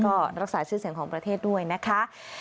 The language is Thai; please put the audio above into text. ก็รักษาชื่อเสียงของประเทศด้วยนะคะ